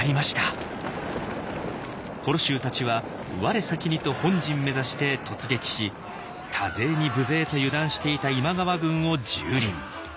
母衣衆たちは我先にと本陣目指して突撃し多勢に無勢と油断していた今川軍を蹂躙。